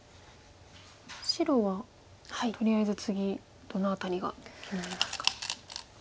白はとりあえず次どの辺りが気になりますか。